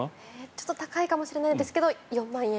ちょっと高いかもしれないんですけど４万円。